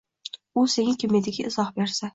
U senga kim ediki, izoh bersa